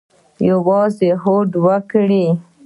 یوازې هوډ وکړئ